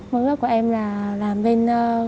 mơ ước của em là làm bên